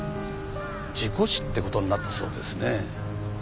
事故死って事になったそうですね。